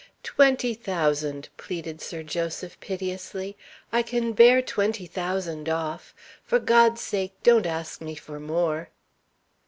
Twenty thousand," pleaded Sir Joseph, piteously. "I can bear twenty thousand off. For God's sake don't ask me for more!"